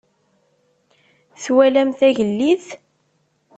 Twalam tagellidt?